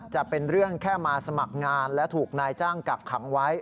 จะเป็นเรื่องแค่มาสมัครงานและถูกนายจ้างกักขังไว้